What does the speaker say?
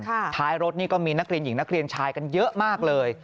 ท้ายรถนี่ก็มีนักเรียนหญิงนักเรียนชายกันเยอะมากเลย